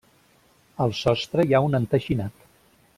Al sostre hi ha un enteixinat.